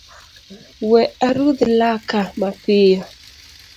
We arudh laka mapiyo